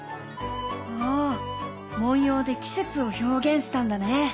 お文様で季節を表現したんだね。